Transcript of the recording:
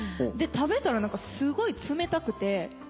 で食べたらすごい冷たくて。